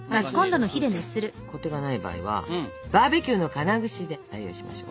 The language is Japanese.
コテがない場合はバーベキューの金串で代用しましょう。